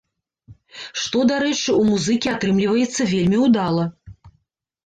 Што, дарэчы, у музыкі атрымліваецца вельмі ўдала.